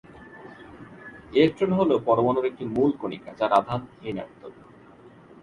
Electron হলো পরমাণুর একটি মূল কণিকা যার আধান ঋণাত্মক।